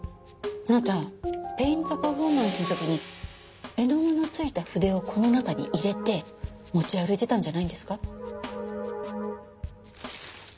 あなたペイントパフォーマンスの時に絵の具の付いた筆をこの中に入れて持ち歩いてたんじゃないんですか？